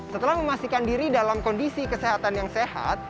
setelah memastikan diri dalam kondisi kesehatan yang sehat